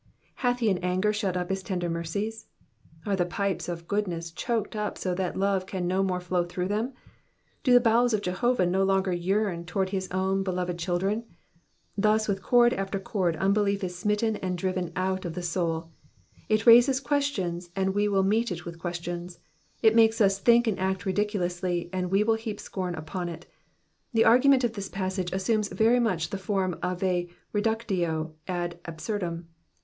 ^^Hatk he in anger thut up his tender mercies T^ Are the pipes of goodness choked up so that love can no more flow through them? Do the bowels of Jehovah no longer vearn towards his own beloved children ? Thus with cord after cord unbelief IS smitten and driven out of the soul ; it raises questions and we will meet it with questions : it makes us think and act ridiculously, and we will heap scorn upon it. The argument of tliis passage assumes very much the form of a reductio ad absurdum.